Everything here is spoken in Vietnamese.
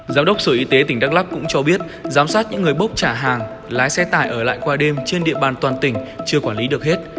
giám đốc sở y tế tỉnh đắk lắc cũng cho biết giám sát những người bốc trả hàng lái xe tải ở lại qua đêm trên địa bàn toàn tỉnh chưa quản lý được hết